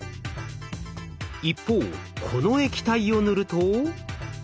一方この液体を塗ると。